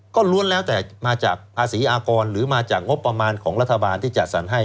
ก็ล้วนแล้วแต่มาจากภาษีอากรหรือมาจากงบประมาณของรัฐบาลที่จัดสรรให้